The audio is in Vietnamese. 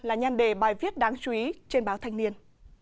là nhan đề bài viết đáng chú ý trên báo thanh niên